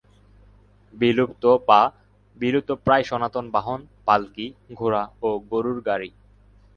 বিলুপ্ত বা বিলুপ্তপ্রায় সনাতন বাহন পালকি, ঘোড়া ও গরুর গাড়ি।